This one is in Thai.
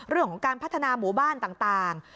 เรื่องของการพัฒนาหมู่บ้านต่าง